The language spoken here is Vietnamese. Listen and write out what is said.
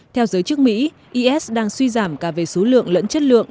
theo giới chức mỹ is đang suy giảm cả về số lượng lẫn chất lượng